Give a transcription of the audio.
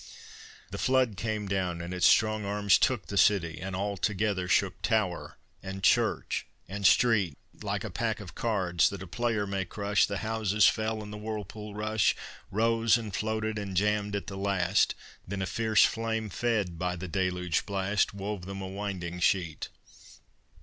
The flood came down and its strong arms took The city, and all together shook, Tower and church and street, Like a pack of cards that a player may crush, The houses fell in the whirlpool rush, Rose and floated and jammed at the last, Then a fierce flame fed by the deluge blast Wove them a winding sheet.